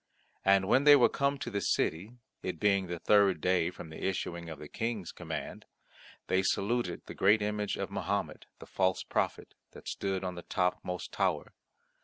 And when they were come to the city, it being the third day from the issuing of the King's command, they saluted the great image of Mahomet, the false prophet, that stood on the topmost tower.